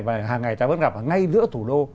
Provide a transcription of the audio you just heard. và hàng ngày ta vẫn gặp ở ngay giữa thủ đô